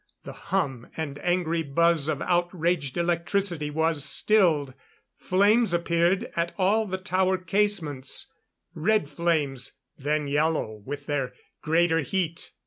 The hum and angry buzz of outraged electricity was stilled. Flames appeared at all the tower casements red flames, then yellow with their greater heat.